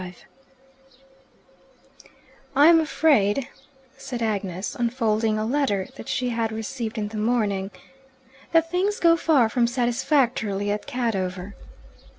XXV "I am afraid," said Agnes, unfolding a letter that she had received in the morning, "that things go far from satisfactorily at Cadover."